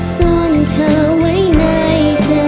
ซ่อนเธอไว้ในใจ